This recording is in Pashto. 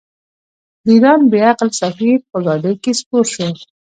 د ایران بې عقل سفیر په ګاډۍ کې سپور شو.